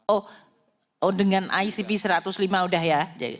oh dengan icp satu ratus lima udah ya